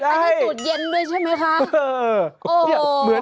อันนี้สูตรเย็นด้วยใช่ไหมคะ